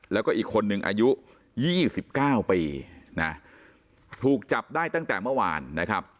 แล้วก็อีกคนนึงอายุ๒๙ปีนะถูกจับได้ตั้งแต่เมื่อวานนะครับ